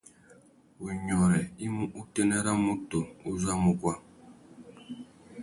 Wunyôrê i mú utênê râ mutu u zú a mú guá.